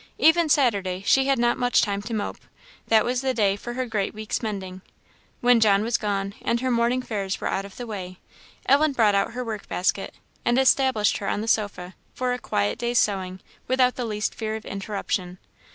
Even Saturday she had not much time to mope; that was the day for her great week's mending. When John was gone, and her morning affairs were out of the way, Ellen brought out her work basket, and established herself on the sofa for a quiet day's sewing without the least fear of interruption.